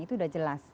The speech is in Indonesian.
itu udah jelas